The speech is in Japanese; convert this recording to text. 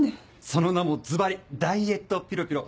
その名もズバリ「ダイエットピロピロ」。